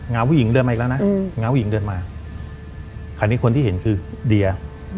้าผู้หญิงเดินมาอีกแล้วนะง้าผู้หญิงเดินมาคราวนี้คนที่เห็นคือเดีย